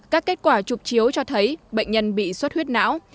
các kết quả chụp chiếu cho thấy bệnh nhân bị suất huyết não